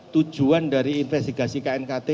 tujuan dari investigasi knkt